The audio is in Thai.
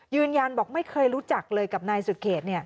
ยืนยันบอกไม่เคยรู้จักเลยกับนายสุเขต